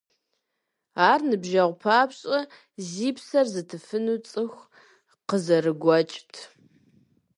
Ар ныбжьэгъу папщӀэ зи псэр зытыфыну цӀыху къызэрыгуэкӀт.